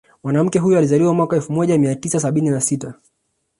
Mwanamke huyo alizaliwa mwaka elfu moja mia tisa sabini na sita